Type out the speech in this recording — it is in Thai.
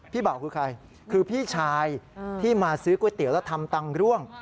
เบาคือใครคือพี่ชายที่มาซื้อก๋วยเตี๋ยวแล้วทำตังค์ร่วง